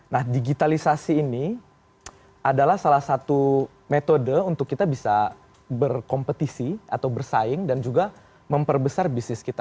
nah digitalisasi ini adalah salah satu metode untuk kita bisa berkompetisi atau bersaing dan juga memperbesar bisnis kita